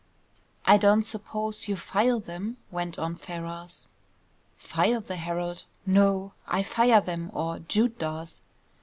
"I don't suppose you file them?" went on Ferrars. "File the Herald! No, I fire them, or Jude does."